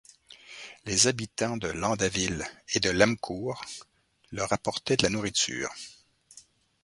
Les habitants de Landaville et Lemmecourt leur apportaient de la nourriture.